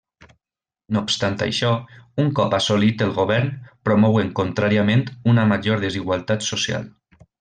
No obstant això, un cop assolit el govern promouen contràriament una major desigualtat social.